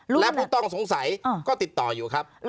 และผู้ต้องสงสัยก็ติดต่ออยู่ครับ